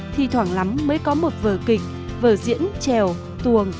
thì thoảng lắm mới có một vờ kịch vờ diễn trèo tuồng